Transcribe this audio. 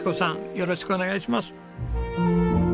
よろしくお願いします！